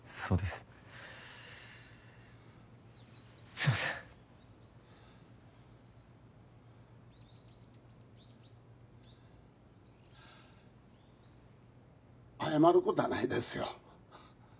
すいません謝ることはないですよ